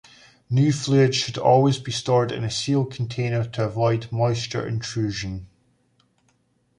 New fluid should always be stored in a sealed container to avoid moisture intrusion.